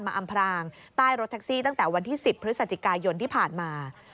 อำพรางใต้รถแท็กซี่ตั้งแต่วันที่๑๐พฤศจิกายนที่ผ่านมา